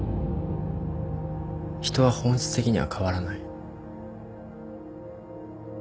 人は本質的には変わらない。